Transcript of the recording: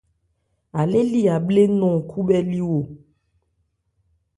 Á lê li Abhle nɔn khúbhɛ́liwo.